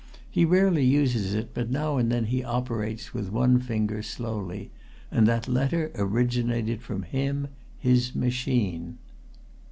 He rarely uses it, but now and then he operates, with one finger, slowly. And that letter originated from him his machine."